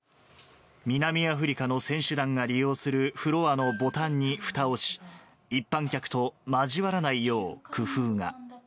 南アフリカの選手団が利用するフロアのボタンにふたをし、一般客と交わらないよう工夫が。